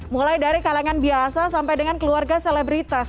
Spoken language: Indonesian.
mulai dari kalangan biasa sampai dengan keluarga selebritas